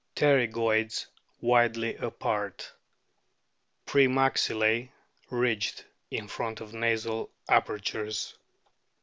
Pterygoids widely apart; pre maxillse ridged in front of nasal apertures.